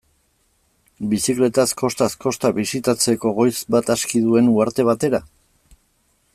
Bizikletaz kostaz-kosta bisitatzeko goiz bat aski duen uharte batera?